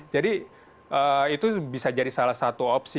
jadi itu bisa jadi salah satu opsi